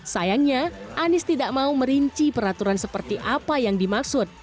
sayangnya anies tidak mau merinci peraturan seperti apa yang dimaksud